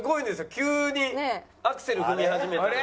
急にアクセル踏み始めたので。